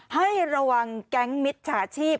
ให้ระวังแก๊งมิจฉาชีพ